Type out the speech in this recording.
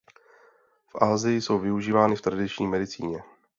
V Asii jsou využívány v tradiční medicíně.